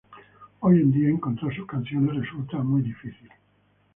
Hoy en día encontrar sus canciones resulta muy difícil.